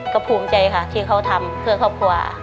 ก็ภูมิใจค่ะที่เขาทำเพื่อครอบครัว